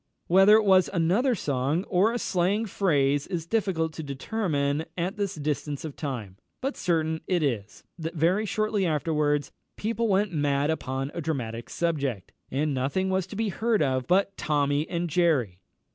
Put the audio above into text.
Whether it was another song or a slang phrase is difficult to determine at this distance of time; but certain it is, that very shortly afterwards people went mad upon a dramatic subject, and nothing was to be heard of but "Tommy and Jerry."